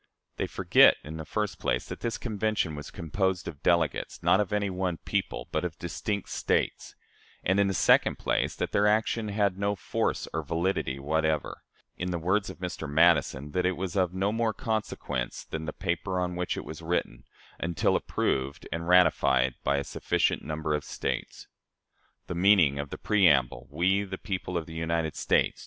They forget, in the first place, that this Convention was composed of delegates, not of any one people, but of distinct States; and, in the second place, that their action had no force or validity whatever in the words of Mr. Madison, that it was of no more consequence than the paper on which it was written until approved and ratified by a sufficient number of States. The meaning of the preamble, "We, the people of the United States